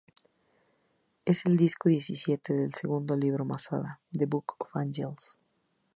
Es el disco diecisiete del segundo libro Masada, "The Book of Angels".